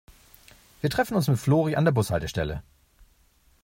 Wir treffen uns mit Flori an der Bushaltestelle.